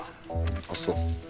あっそう。